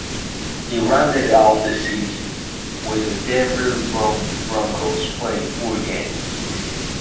He rounded off the season with the Denver Broncos, playing four games.